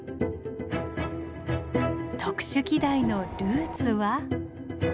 特殊器台のルーツは。